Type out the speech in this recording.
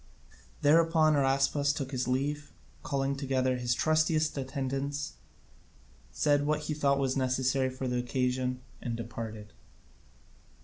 Thereupon Araspas took his leave, called together his trustiest attendants, said what he thought necessary for the occasion, and departed.